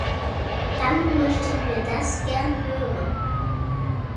Dann möchten wir das gern hören.